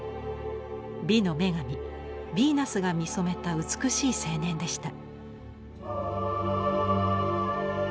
美の女神ヴィーナスが見初めた美しい青年でした。